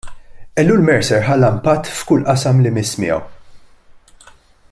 Ellul Mercer ħalla impatt f'kull qasam li miss miegħu.